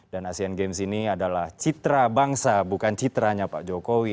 dan asean games ini adalah citra bangsa bukan citranya pak jokowi